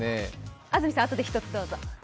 安住さん、あとで１つどうぞ。